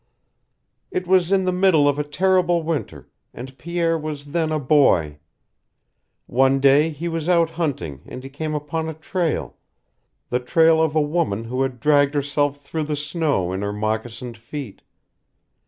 It was in the middle of a terrible winter, and Pierre was then a boy. One day he was out hunting and he came upon a trail the trail of a woman who had dragged herself through the snow in her moccasined feet.